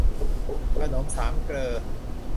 ขนมสามเกลอ